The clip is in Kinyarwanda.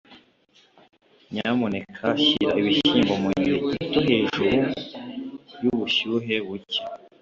nyamuneka shyira ibishyimbo mugihe gito hejuru yubushyuhe buke